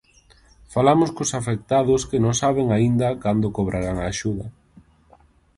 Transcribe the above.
Falamos cos afectados que non saben aínda cando cobrarán a axuda.